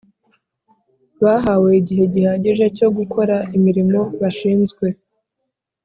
Bahawe igihe gihagije cyo gukora imirimo bashinzwe